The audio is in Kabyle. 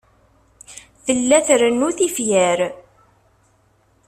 Tella trennu tifyar.